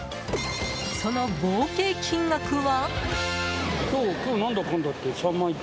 その合計金額は。